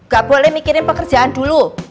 gak boleh mikirin pekerjaan dulu